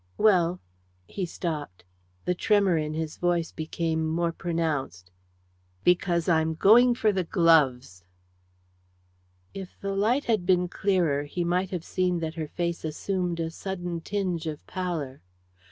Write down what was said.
"Well " He stopped. The tremor in his voice became more pronounced. "Because I'm going for the gloves." If the light had been clearer he might have seen that her face assumed a sudden tinge of pallor.